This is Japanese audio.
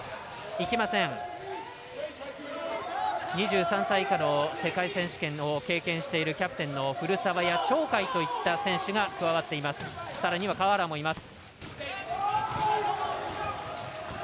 ２３歳以下の世界選手権を経験しているキャプテンの古澤や鳥海といった選手が加わっています。